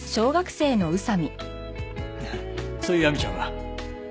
そういう亜美ちゃんは？